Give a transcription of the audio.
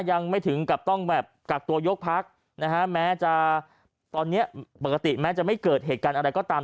ยังไม่ถึงกับต้องแบบกักตัวยกพักนะฮะแม้จะตอนนี้ปกติแม้จะไม่เกิดเหตุการณ์อะไรก็ตาม